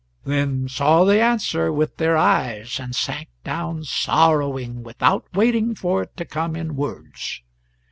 then saw the answer with their eyes and sank down sorrowing, without waiting for it to come in words.